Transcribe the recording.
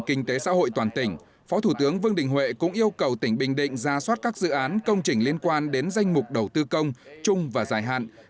kinh tế xã hội toàn tỉnh phó thủ tướng vương đình huệ cũng yêu cầu tỉnh bình định